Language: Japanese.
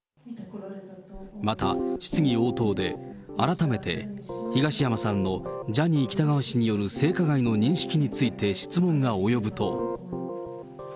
また、質疑応答で改めて東山さんのジャニー喜多川氏による性加害の認識について質問が及ぶと。